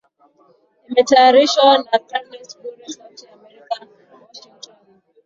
Imetayarishwa na Kennes Bwire sauti ya Amerika Washington